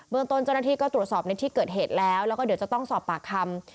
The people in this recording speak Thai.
ตนเจ้าหน้าที่ก็ตรวจสอบในที่เกิดเหตุแล้วแล้วก็เดี๋ยวจะต้องสอบปากคำ